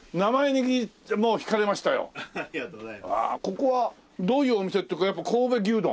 ここはどういうお店っていうかやっぱ神戸牛丼？